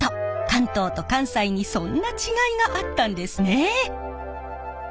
関東と関西にそんな違いがあったんですね。